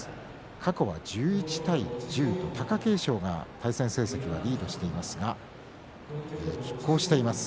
過去は１１対１０貴景勝が対戦成績はリードしていますがきっ抗しています。